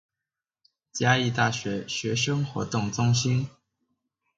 嘉義大學學生活動中心